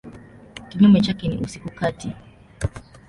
Kinyume chake ni usiku kati.